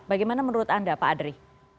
bagaimana menurut anda pak adri